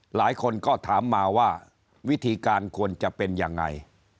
หลายคนก็ถามมาว่าวิธีการควรจะเป็นยังไง